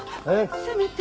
せめて。